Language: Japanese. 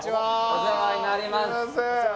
お世話になります